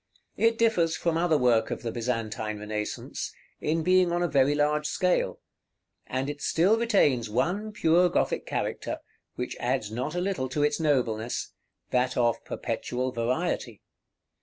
It differs from other work of the Byzantine Renaissance, in being on a very large scale; and it still retains one pure Gothic character, which adds not a little to its nobleness, that of perpetual variety.